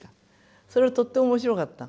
それはとっても面白かった。